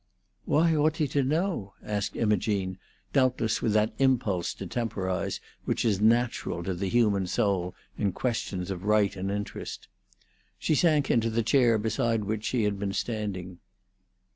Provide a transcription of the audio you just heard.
"Why ought he to know?" asked Imogene, doubtless with that impulse to temporise which is natural to the human soul in questions of right and interest. She sank into the chair beside which she had been standing.